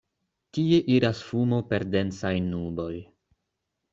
Tie iras fumo per densaj nuboj.